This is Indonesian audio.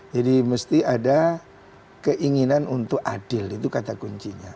jadi mesti ada keinginan untuk adil itu kata kuncinya